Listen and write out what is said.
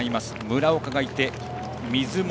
村岡がいて水本。